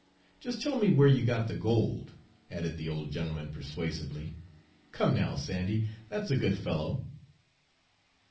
Just tell me where you got the gold," added the old gentleman persuasively. "Come, now, Sandy, that's a good fellow!"